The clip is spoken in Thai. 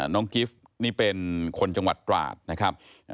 กิฟต์นี่เป็นคนจังหวัดตราดนะครับ